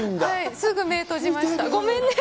すぐ目閉じました。